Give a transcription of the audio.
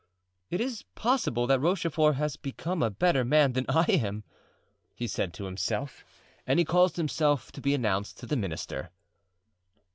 "Is it possible that Rochefort has become a better man than I am?" he said to himself. And he caused himself to be announced to the minister.